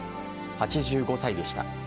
８５歳でした。